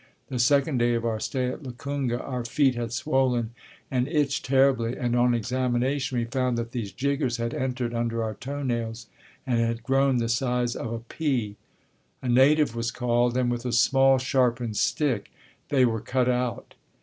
The second day of our stay at Lukunga our feet had swollen and itched terribly, and on examination we found that these "jiggers" had entered under our toe nails and had grown to the size of a pea. A native was called and with a small sharpened stick they were cut out.